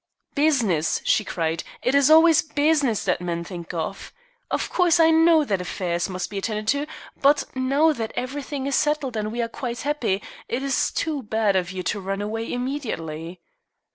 "Business!" she cried, "it is always business that men think of. Of course I know that affairs must be attended to, but now that everything is settled and we are quite happy, it is too bad of you to run away immediately."